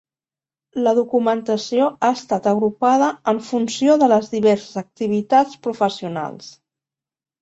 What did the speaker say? La documentació ha estat agrupada en funció de les diverses activitats professionals.